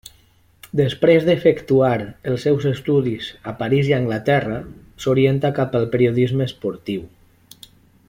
Després d'efectuar els seus estudis a París i Anglaterra, s'orienta cap al periodisme esportiu.